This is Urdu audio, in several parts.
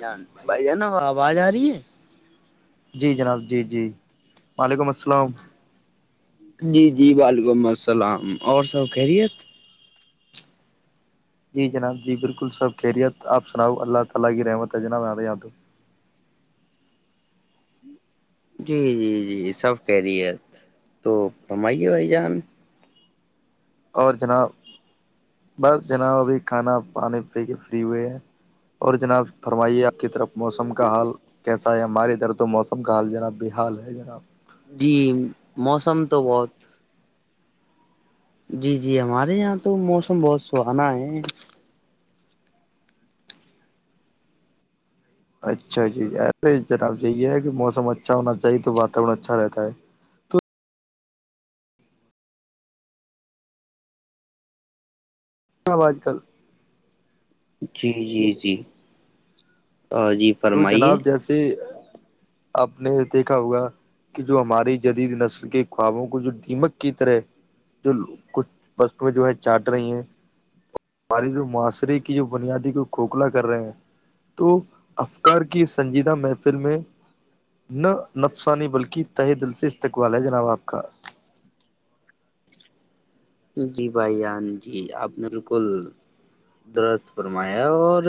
جان بھائی جانا آواز آ رہی ہے جی جناب جی جی وعلیکم السلام جی جی وعلیکم السلام اور سب کہہرییت [unintelligible] جی جی جی سب کہہ رہی ہے تو ہمم آائیے بھائی جان اور جناب بس جناب ابھی کھانا پانی پی کے فری ہوئے ہیں اور جناب فرمائیے آپ کی طرف موسم کا حال کیسا ہے ہمارے ادھر تو موسم کا حال جناب بے حال ہے جناب جی موسم تو بہت جی جی ہمارے یہاں تو موسم بہت سہانا ہے اچھا جییے جناب یہی یہ ہے کہ موسم اچھا ہونا چاہیے تو واتاورن اچھا رہتا ہے آج کل جی جی جی جی تو فرمائیے جناب جیسے آپ نے دیکھا ہوگا کہ جو ہماری جدید نسل کے خوابوں کو جو دیمک کی طرح جو کچھ فسٹ میں جو ہے چاٹ رہی ہیں ہمارے جو معاشرے کی جو بنیادی کو کھوکھلا کر رہے ہیں تو افکار کی سنجیدہ محفل میں نہ نفسانی بلکہ تہ دل سے استقبال ہے جناب آپ کا جی بھائی ہان جی آپ بالکل درخ فرمایا اور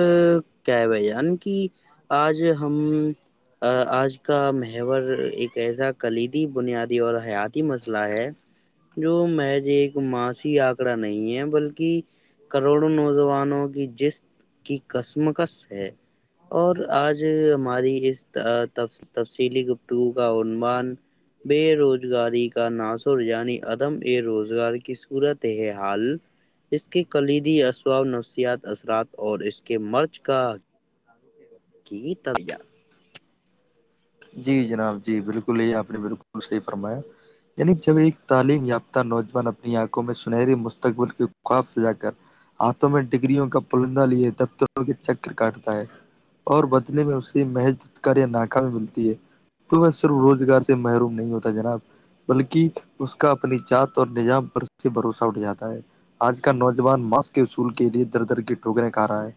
کیا ب جان کی آج ہم آج کا محور ایک ایسا کلیدی بنیادی اور حیاتی مسئلہ ہے جو ماسی آنکڑا نہیں ہے بلکہ کروڑوں نوجوانوں کی جس کی کسمکس ہے اور آج ہماری اس تفصیلی گفتگو کا عنوان بے روزگاری کا ناصر یعنی عدم اے روزگار کی صورت حال اس کے کلیدی اسوااب نفسیات اثرات اور اس کے مرچ کا آ کی تو جان جی جناب جی بالکل آپ نے بالکل صحی فرمایا یعنی جب ایک تعلیم یافتہ نوجوان اپنی آنکھوں میں سنہری مستقبل کے خواب سجا کر ہاتھوں میں ڈگریوں کا پلندہ لی دفتروں کے چکر کاٹتا ہے اور بدنینے میں اسے محض کر یا ناکہ بھی ملتا تو وہ صرف روزگار سے محروم نہیں ہوتا جناب بلکہ اس کا اپنی جات اور نظام پر اس سے بھروسہ اٹھ جاتا ہے آج کا نوجوان ماسک کے اصول کے لیے در در کی ٹھوکریں کھا رہا ہے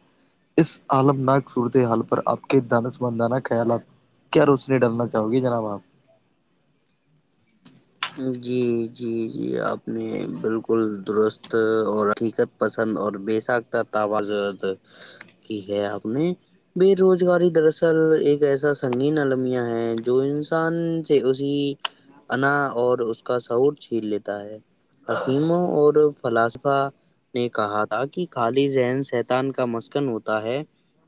اس عالم نک صورتحال پر آپ کے دانس مدانہ خیالات کیا روشنی ڈرنا چاہو گی جناب آپ جی جی جی آپ نے بالکل درست اور حقیقت پسند اور بےساک ت آواز کی ہے آپ نے بے روزگاری دراصل ایک ایسا سنگین المیہ ہے جو انسان سے اسی انا اور اس کا سعور چھین لیتا ہے حکیموں اور فلاسفہ نے کہا تھا کہ خالی ذہن سیتان کا مسکن ہوتا ہے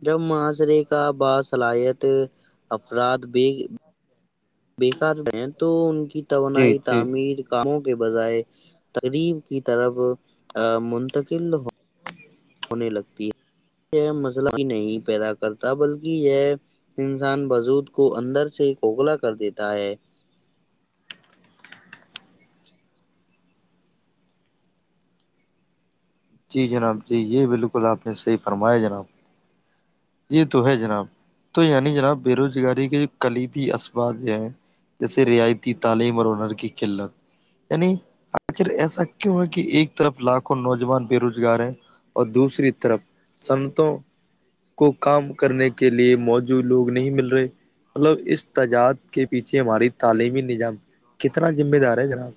جب معاشرے کا باصلاحیت افراد بھی بیکار ہیں تو ان کی جی توانائی جی تعمیر کاموں کے بجائے تقریب کی طرف منتقل ہو ہونے لگتی ہے یہ مسلہ بھی نہیں پیدا کرتا بلکہ یہ انسان بجود کو اندر سے کھکھلا کر دیتا ہے جی جناب جی یہ بالکل آپ نے صحیح فرمایا جناب یہ تو ہے جناب تو یعنی جناب بے روزگاری کے کلیدی اسباب ہیں جیسے رعایتی تعلیم اور ہنر کی قلت یعنی آخر ایسا کیوں ہے کہ ایک طرف لاکھوں نوجوان بے روزگار ہیں اور دوسری طرف سنتوں کو کام کرنے کے لیے موجود لوگ نہیں مل رہے مطلب اس تجاد کے پیچھے ہماری تعلیمی نظام کتنا ذمہ دار ہے جناب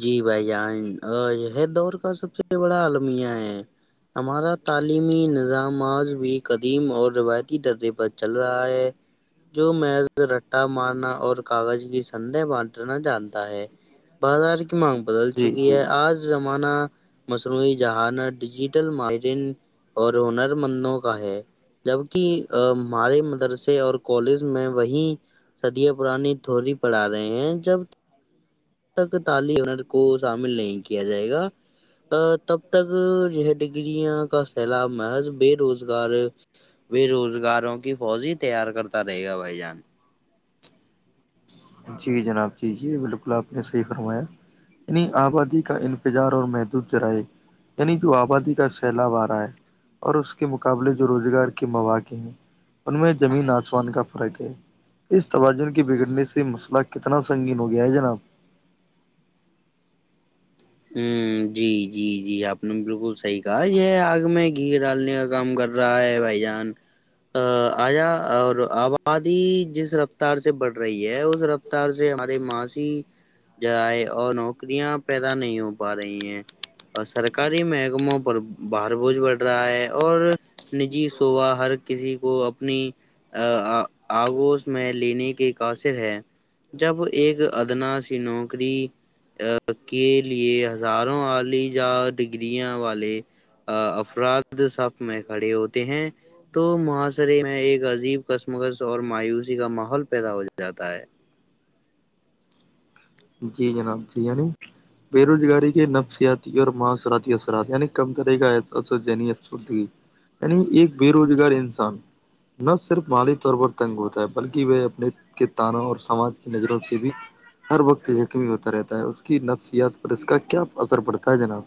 جی بھائی جان یہ دور کا سب سے بڑا المیہ ہے ہمارا تعلیمی نظام آج بھی قدیم اور روایتی ڈرے پر چل رہا ہے جو محز رٹا مارنا اور کاغذ کی سدے بانٹنا چاہتا ہے بازار کی مانگ بدل جی چکی جی ہے آج زمانہ مصنوعی جہانت ڈیجیٹل ماہرین اور ہنر مندوں کا ہے جبک ہمارے مدرسے اور کالج میں وہی سدیہ پرانی تھوری پڑھا رہے ہیں جب تک تالی ہنر کو شامل نہیں کیا جائے گا تب تک یہ ڈگریاں کا سیلاب محض بے روزگار بے روزگاروں کی فوج ہی تیار کرتا رہے گا بھائی جان جی جناب جیے بالکل آپ نے صحیح فرمایا انہیں آبادی کا انتظار اور محدود جرائے یعنی جو آبادی کا سیلاب آ رہا ہے اور اس کے مقابلے جو روزگار کے مواقع ہیں ان میں زمین آسمان کا فرق ہے اس توازن کی بگڑ نے سے مسئلہ کتنا سنگین ہو گیا ہے جناب جی جی جی آپ نے بالکل صحیح کہا یہ آگ میں گھی ڈالنے کا کام کر رہا رائے بھائی جان آیا اور آبادی جس رفتار سے بڑھ رہی ہے اس رفت سے ہمارے ماشی جرائے اور نوکریاں پیدا نہیں ہو پا رہی ہیں اور سرکاری محکموں پر باہار بوجھ بڑھ رہا ہے اور نجی سوبا ہر کسی کو اپنی آگوش میں لینے کی قاصر ہے جب ایک ادنا سی نوکری کے لیے ہزاروں والی یا ڈگرییاں والے افراد سب میں کھڑے ہوتے ہیں تو معحاصرے میں ایک عجیب کس مگز اور مایوسی کا ماحول پیدا ہو جاتا ہے جی جناب جییعنی بے روزگاری کے نفسیاتی اور معاثراتی اثرات یعنی کم کرے گا ہے جنی فگی نی ایک بے روزگار انسان نہ صرف مالی طور پر تنگ ہوتا ہے بلکہ وہ اپنے کے تانوں اور سماج کی نظروں سے بھی ہر وقت یقمی ہوتا رہتا ہے اس کی نفسیات پر اس کا کیا اثر پڑتا ہے جناب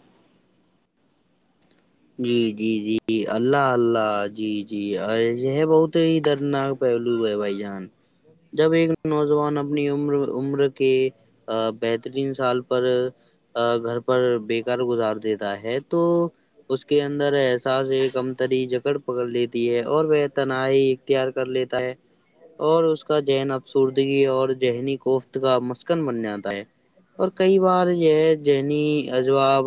جی جی جی اللہ اللہ جی جی ایسے ہے بہت ادرناک پہلو ہے بھائی جان جب ایک نوجوان اپنی عمر عمر کے بہترین سال پر گھر پر بیکار گزار دیتا ہے تو اس کے اندر احساس ایک امتری جکڑ پکڑ لیتی ہے اور وہ تنہائیی اختیار کر لیتا ہے اور اس کا ذہن ابسوردگی اور ذہنی کوفت کا مسکن بن جاتا ہے پر کئی بار یہ جنی اجواب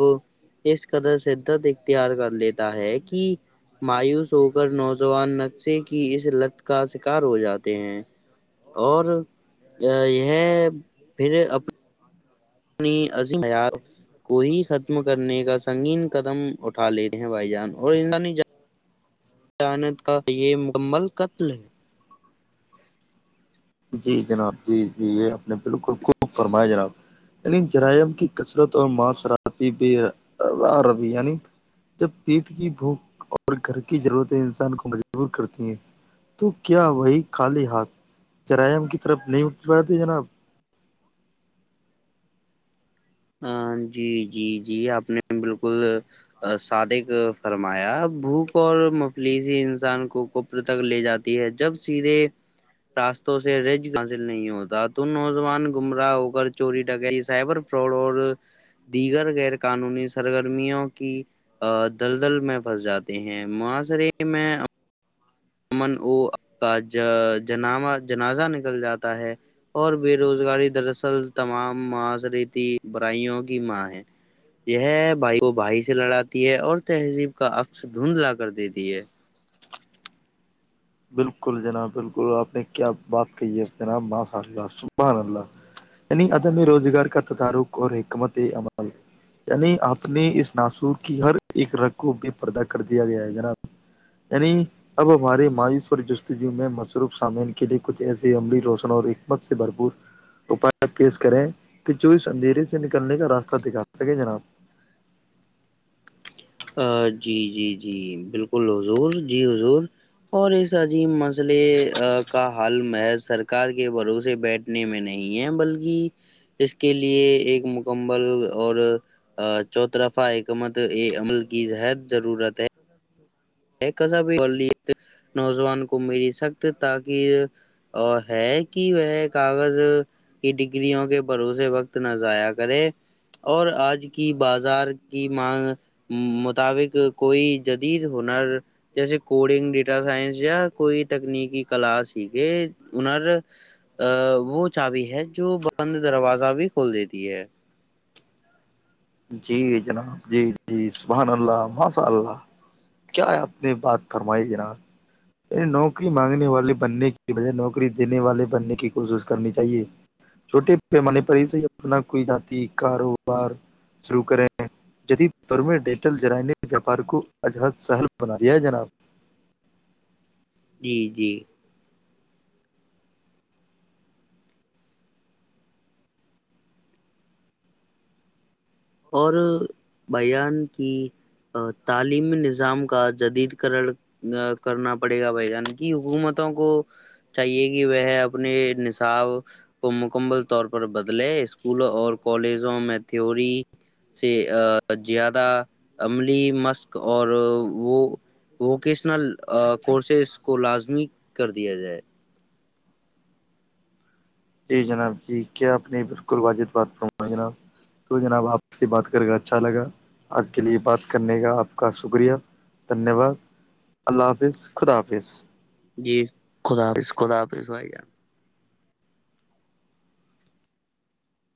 اس قدر سےدا تیار کر لیتا ہے کہ مایوس ہو کر نوجوان نقشے کی اس لت کا شکار ہو جاتے ہیں اور یہ پھر اپنے اپنی عظیم معیار کو ہی ختم کرنے کا سنگین قدم اٹھا لیتے ہیں بھائی جان اور ان اچانت کا یہ مکمل قتل ہے جی جناب جی جی یہ اپپ نے بالکل خوب فرمایا جناب یعنی جرائم کی کثرت اور معاشراتی بھی ر ربی یعنی جب پیٹ کی بھوک اور گھر کی ضرورتیں انسان کو مجبور کرتی ہیں تو کیا وہی کالی ہاتھ جرائم کی طرف نہیں اٹھ پاتے جناب ہاں جی جی جی آپ نے بالکل صادق فرمایا بھوک اور مفلیسیی انسان کو تک لے جاتی ہے جب سیدھے راستوں سے رج حاصل نہیں ہوتا تو نوجوان گمراہ ہو کر چوری ڈکائی سابر ف اور دیگر غیر قانونی سرگرمیوں کی دلدل میں پھنس جاتے ہیں معاشرے میں امن ا کا جنا جنازہ نکل جاتا ہے [inaudible] اور بے روزگاری دراصل تمام معاشرتی برائیوں کی ماں ہے یہ بھائی کو بھائی سے لڑاتی ہے اور تہذیب کا عکس دھندلا کر دیتی ہے بالکل جناب بالکل آپ نے کیا بات کہی ہے جناب ماںات سبحن اللہ یعنی عدم روزگار کا تعارک اور حکمت عمل یعنی اپنے اس ناسور کی ہر ایک رگ کو بے پردا کر دیا گیا ہے نا یعنی اب ہماریے مائی ستی میں مصروف شامل کے لیے کچھ ایسسی عملی روشن اور حکمت سے بھرپور اپائے پیش کریں کہ چوس اندھیرے سے نکلنے کا راستہ دکھا سکے جناب جی جی جی بالکل حضور جی حضور اور اس عظیم مسئلے کا حل محض سرار کے بھروسے بیٹھ نے میں نہیں ہے بلکہ اس کے لیے ایک مکممل اور ا چوترفہ حکمت یہ عمل کی ہد ضرورت ہے [inaudible] یہ کصابلیت نوجوان کو مری سخت تاک [inaudible] اور ہے کہ وہ کاغذ کہ ڈگگرریوں کے بھروسے وقت نہ ضائع کرے اور آج کی بازار کی مانگ مطابق کوئی جدید ہنر جیسے کوڈنگ ڈیٹا سائنس یا کوئی تکنیکی کلاس س کہ ہنر ا وہ چابی ہے جو بند دروازہ بھی کھول دیتی ہے جی جناب جی جی سبحان اللہ ماشاء اللہ کیا آپ نے بات فرمائی گ ن م نوکری مانگنے والے بننے کی بجائے نوکری دینے والے بننے کی کوشش کرنی چاہیے [inaudible] چھوٹے پیمانے پر سے ہی اپنا کوئی ذاتی کاروبار شروع کریں جدید دور میں ڈیٹل جرائم نے ویاپار کو اجہد سہل بنا دیا ہے جناب جی جی اور بیان کی [inaudible] تعلیمی نظام کا جدید کرڑ ا کرنا پڑے گا بھائی جان کی حکومتوں کو چاہیے کہ وہ اپنے نصاب کو مکمل طور پر بدلے اسکولوں اور کالجوں میں تھیوری سے زیادہ عملی مشق اور وہ ووکیشنل کورسز کو لازمی کر دیا جائے جی جناب جی کیا آپ نے بالکل واجد بات کروں ہے جناب تو جناب آپ سے بات کر کے اچھا لگا آپ کے لیے بات کرنے کا آپ کا شکریہ دھنیہ واد اللہ حافظ خدا حافظ جی خدافظ خداظ بھائی جان